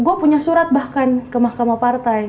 gue punya surat bahkan ke mahkamah partai